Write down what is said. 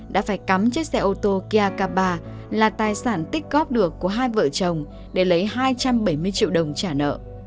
đã phải cắm chiếc xe ô tô kia k ba là tài sản tích góp được của hai vợ chồng để lấy hai trăm bảy mươi triệu đồng trả nợ